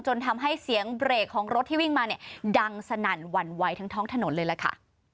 จนทำให้เสียงเบรกที่วิ่งมาดังสนั่นวันไหวถึงท้องถนนเลยล่ะค่ะ